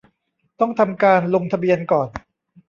ต้องทำการลงทะเบียนก่อน